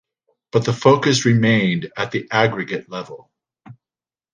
But the focus remained at the aggregate level.